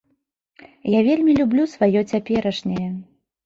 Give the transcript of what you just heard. Я вельмі люблю сваё цяперашняе.